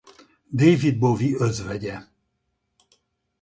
David Bowie özvegye.